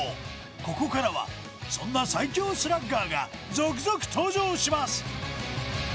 ここからはそんな最強スラッガーが続々登場します